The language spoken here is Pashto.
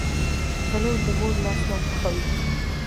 تنور د مور لاس نان پخوي